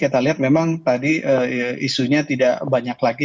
kita lihat memang tadi isunya tidak banyak lagi